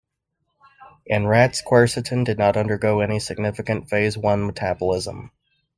In rats, quercetin did not undergo any significant phase one metabolism.